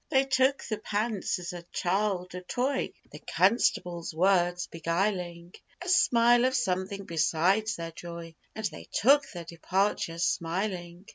They took the pants as a child a toy, The constable's words beguiling A smile of something beside their joy; And they took their departure smiling.